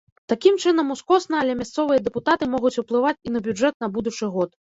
Такім чынам ускосна, але мясцовыя дэпутаты могуць уплываць і на бюджэт на будучы год.